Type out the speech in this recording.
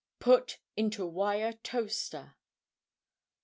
Put into wire toaster.